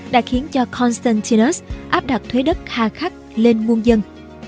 đã khiến cho constantinus áp đặt thuế đất hà khắc lên nguồn dân